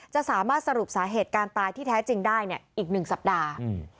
จะสามารถสรุปสาเหตุการตายที่แท้จริงได้อีก๑สัปดาห์